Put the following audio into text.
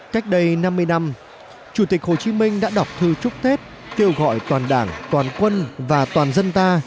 cách đây năm mươi năm chủ tịch hồ chí minh đã đọc thư chúc tết kêu gọi toàn đảng toàn quân và toàn dân ta